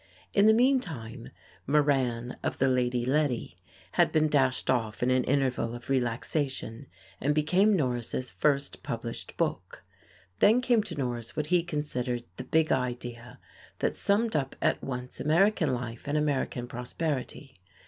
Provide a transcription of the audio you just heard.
In the meantime "Moran of the Lady Letty" had been dashed off in an interval of relaxation, and became Norris' first published book. Then came to Norris what he considered "the big idea," that summed up at once American life and American prosperity.